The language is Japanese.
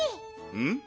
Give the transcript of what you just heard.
うん？